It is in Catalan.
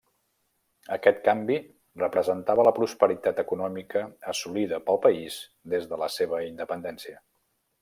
Aquest canvi representava la prosperitat econòmica assolida pel país des de la seva independència.